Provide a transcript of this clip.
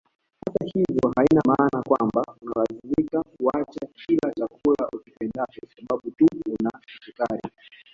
Hata hivyo haina maana kwamba unalazimika kuacha kila chakula ukipendacho sababu tu una kisukari